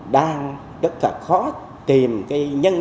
đang rất là khó tìm nhân sản